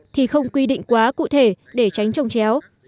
thì không quy định quá cụ thể để tránh trồng chéo